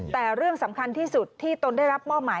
แต่เรื่องสำคัญที่สุดที่ตนได้รับมอบหมาย